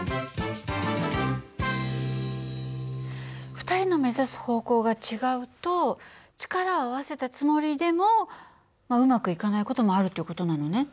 ２人の目指す方向が違うと力を合わせたつもりでもうまくいかない事もあるっていう事なのね。